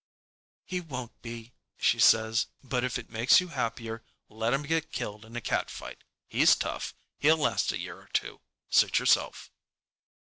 "He won't be," she says. "But if it makes you happier, let him get killed in a cat fight. He's tough. He'll last a year or two. Suit yourself."